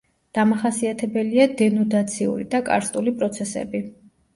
დამახასიათებელია დენუდაციური და კარსტული პროცესები.